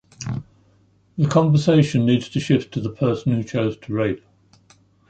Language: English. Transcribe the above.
The conversation needs to shift to the person who chose to rape.